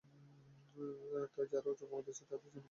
তাই যারা ওজন কমাতে চায়, তাদের জন্যও বেগুন খুব ভালো সবজি।